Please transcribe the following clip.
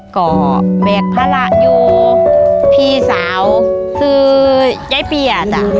ก็แบกภาระอยู่พี่สาวชื่อยายเปียด